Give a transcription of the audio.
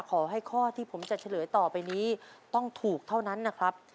ขอให้ข้อที่ผมจะเฉลยต่อไปนี้ต้องถูกเท่านั้นนะครับ